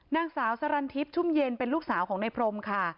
นางสาวสรรทิพย์ชุ่มเย็นเป็นลูกสาวของในพรมค่ะ